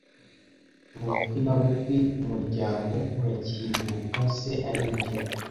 Bukwi na bukwi, umuryango urakinguka, se arinjira.